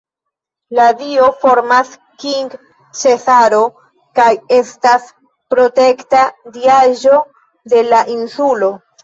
La dio nomas King-Cesaro kaj estas protekta diaĵo de la insulo.